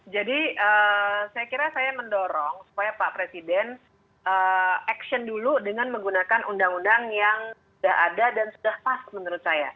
jadi saya kira saya mendorong supaya pak presiden action dulu dengan menggunakan undang undang yang sudah ada dan sudah pas menurut saya